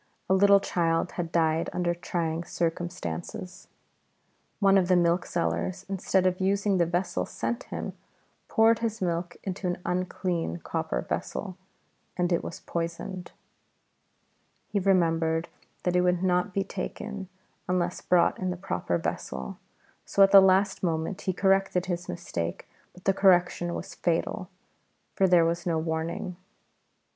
A little child had died under trying circumstances. One of the milk sellers, instead of using the vessel sent him, poured his milk into an unclean copper vessel, and it was poisoned. He remembered that it would not be taken unless brought in the proper vessel, so at the last moment he corrected his mistake, but the correction was fatal, for there was no warning.